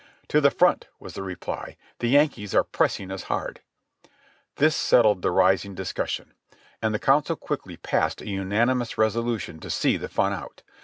"To the front!" was the reply; "the Yankees are pressing us hard." This settled the rising discussion, and the council quickly passed a unanimous resolution to see the fun out.